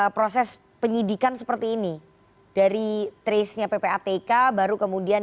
proses penyidikan seperti ini dari trace nya ppatk baru kemudian